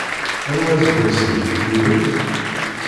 Anwa aseggas ideg tlulemt?